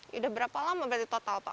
sudah berapa lama berarti total pak